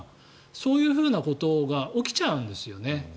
そういうふうなことが起きちゃうんですよね。